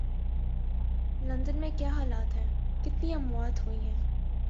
London میں کیا حالات ہیں، کتنی اموات ہوئی ہیں